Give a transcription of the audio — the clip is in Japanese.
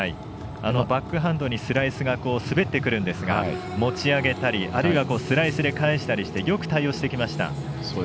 バックハンドにスライスが滑ってくるんですが持ち上げたりあるいはスライスで返したりしてよく対応していきました。